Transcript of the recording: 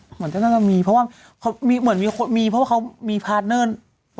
เหมือนมีเพราะว่าเค้ามีพาสต์เนอร์